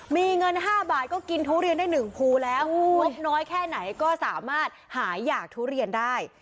มีเงิน๕บาทก็กินทุเรียนได้๑ภูแล้วงบน้อยแค่ไหนก็สามารถหายอยากทุเรียนได้